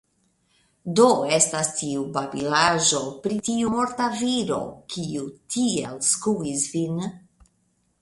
Do estas tiu babilaĵo pri tiu morta viro, kiu tiel skuis vin?